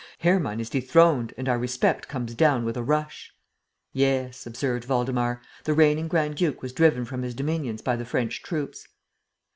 Hermann is dethroned and our respect comes down with a rush!" "Yes," observed Waldemar, "the reigning grand duke was driven from his dominions by the French troops."